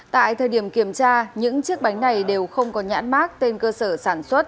tại thời điểm kiểm tra những chiếc bánh này đều không có nhãn mát tên cơ sở sản xuất